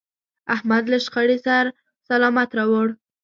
احمد له شخړې سر سلامت راوړ.